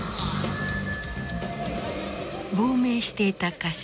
亡命していた歌手